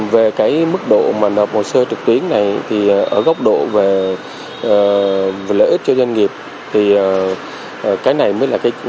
về mức độ nộp hồ sơ trực tuyến này ở góc độ về lợi ích cho doanh nghiệp cái này mới là vấn đề chính